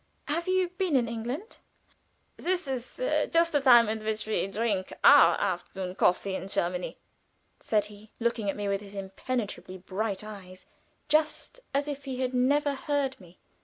"Have you been in England?" "This is just the time at which we drink our afternoon coffee in Germany," said he, looking at me with his impenetrably bright eyes, just as if he had never heard me.